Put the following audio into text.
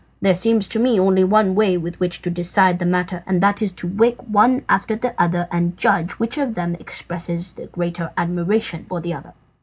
There seems to me only one way in which to decide the matter, and that is to wake one after the other and judge which of them expresses the greater admiration for the other."